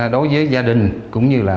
đối với gia đình cũng như là